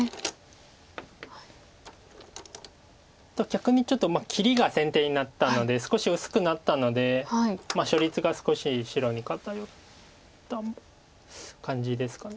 逆にちょっと切りが先手になったので少し薄くなったので勝率が少し白に偏った感じですか。